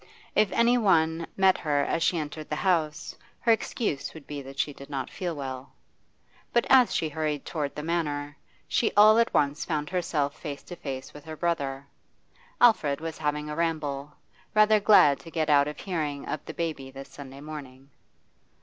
If any one met her as she entered the house, her excuse would be that she did not feel well. But as she hurried toward the Manor, she all at once found herself face to face with her brother. Alfred was having a ramble, rather glad to get out of hearing of the baby this Sunday morning.